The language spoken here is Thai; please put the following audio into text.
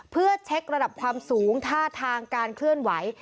เพื่อเช็คระดับความสูงท่าทางการเคลื่อนไหว